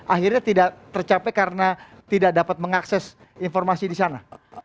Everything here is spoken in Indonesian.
akhirnya tidak tercapai karena tidak dapat mengakses informasi disana